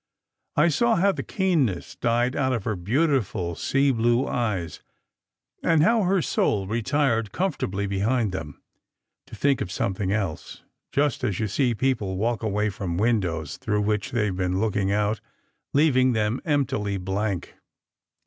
I saw how the keenness died out of her beautiful sea blue eyes, and how her soul retired com fortably behind them, to think of something else, just as you see people walk away from windows through which they ve been looking out, leaving them emptily blank.